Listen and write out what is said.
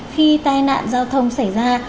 khi tai nạn giao thông xảy ra